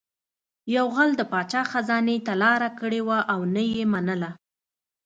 یو غل د پاچا خزانې ته لاره کړې وه او نه یې منله